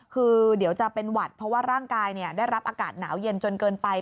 คือเดี๋ยวจะเป็นหวัดเพราะว่าร่างกายได้รับอากาศหนาวเย็นจนเกินไป